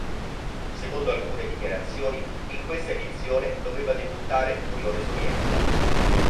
Secondo alcune dichiarazioni, in questa edizione doveva debuttare l'Unione Sovietica.